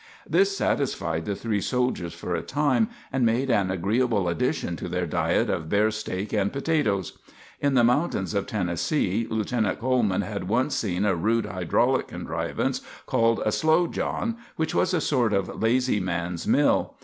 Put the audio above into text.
This satisfied the three soldiers for a time, and made an agreeable addition to their diet of bear steak and potatoes. In the mountains of Tennessee Lieutenant Coleman had once seen a rude hydraulic contrivance called a Slow John, which was a sort of lazy man's mill.